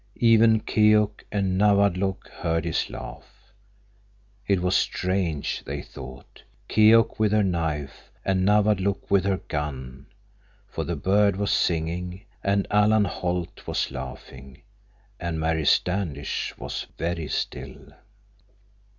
Even Keok and Nawadlook heard his laugh. It was strange, they thought—Keok with her knife, and Nawadlook with her gun—for the bird was singing, and Alan Holt was laughing, and Mary Standish was very still.